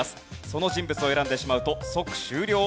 その人物を選んでしまうと即終了。